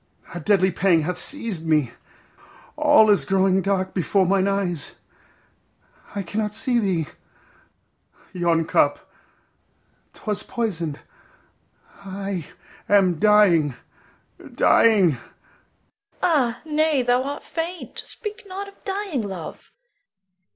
a deadly pang hath seized me. All grows dark before mine eyes. I cannot see thee. Yon cup, 'twas poisoned! I am dying, dying! Bianca. Ah, nay, thou art faint! Speak not of dying, love.